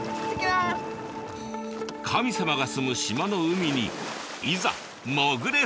神様が住む島の海にいざ潜れ！